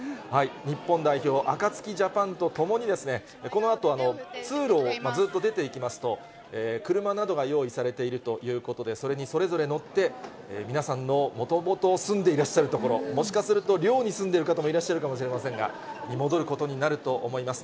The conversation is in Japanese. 日本代表、アカツキジャパンと共にこのあと、通路をずっと出ていきますと、車などが用意されているということで、それにそれぞれ乗って、皆さんのもともと住んでいらっしゃる所、もしかすると寮に住んでいる方もいらっしゃるかもしれませんが、戻ることになると思います。